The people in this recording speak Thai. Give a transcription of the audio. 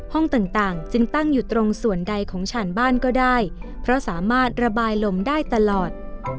ห้องต่างจึงตั้งอยู่ตรงส่วนใดของฉันบ้านก็ได้เพราะสามารถระบายลมได้ตลอด